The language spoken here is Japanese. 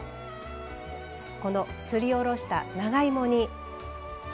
このすりおろした長芋に。